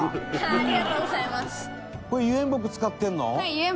ありがとうございます。